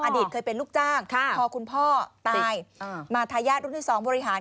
อดีตเคยเป็นลูกจ้างพอคุณพ่อตายมาทายาทรุ่นที่๒บริหาร